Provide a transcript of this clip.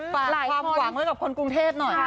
ฝากความหวังไว้กับคนกรุงเทพหน่อย